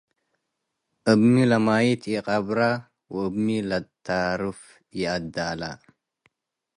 እብ ሚ ለማይት ኢቀብረ - ወእብ ሚ ለታርፍ ይአደአለ